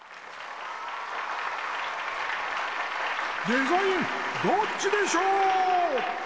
「デザインどっちでショー」！